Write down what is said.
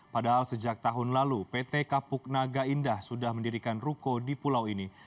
padahal sejak tahun lalu pt kapuk naga indah sudah mendirikan ruko di pulau ini